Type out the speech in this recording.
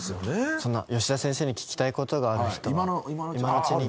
そんな吉田先生に聞きたい事がある人は今のうちに。